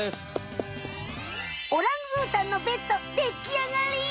オランウータンのベッドできあがり！